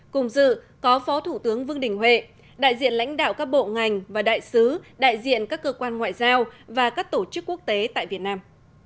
cùng dự có phó thủ tướng vương đình huệ đại diện lãnh đạo các bộ ngành và đại sứ đại diện các cơ quan ngoại giao và các tổ chức quốc tế tại việt nam